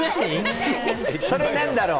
それなんだろう？